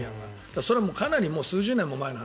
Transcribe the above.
それはかなり数十年も前の話。